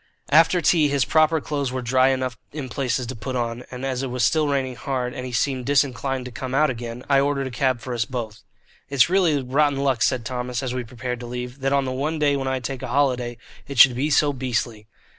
After tea his proper clothes were dry enough in places to put on, and as it was still raining hard, and he seemed disinclined to come out again, I ordered a cab for us both. "It's really rotten luck," said Thomas, as we prepared to leave, "that on the one day when I take a holiday, it should be so beastly."